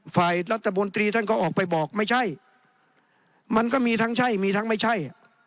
ฝ่ายรัฐบนตรีท่านก็ออกไปบอกไม่ใช่มันก็มีทั้งใช่มีทั้งไม่ใช่